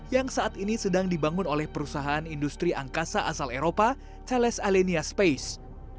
yang saat ini sedang dibangun oleh perusahaan industri angkasa asal eropa charles alenia space